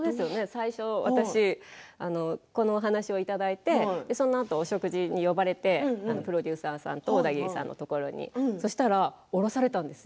最初、私このお話いただいてそのあとお食事に呼ばれてプロデューサーさんとオダギリさんのところにそしたら、おろされたんです